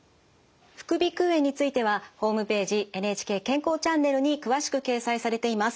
副鼻腔炎についてはホームページ「ＮＨＫ健康チャンネル」に詳しく掲載されています。